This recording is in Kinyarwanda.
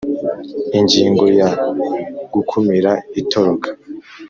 Ingingo ya Gukumira itoroka